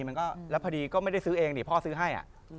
แล้วพอดีก็ไม่ได้ซื้อเองพ่อซื้อให้